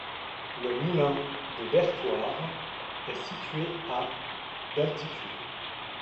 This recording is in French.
Le moulin de Bertoire est situé à d’altitude.